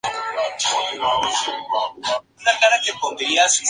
Sus restos reposan en la catedral de Trieste.